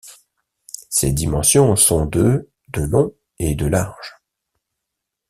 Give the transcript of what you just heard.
Ses dimensions sont de de long et de large.